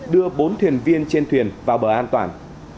đưa bốn thuyền viên trên thuyền vào bờ an toàn